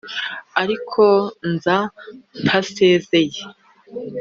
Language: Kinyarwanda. Ariko nza ntasezeye